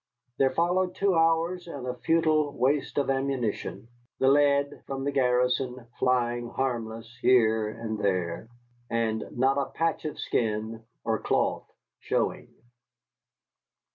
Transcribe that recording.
There followed two hours and a futile waste of ammunition, the lead from the garrison flying harmless here and there, and not a patch of skin or cloth showing.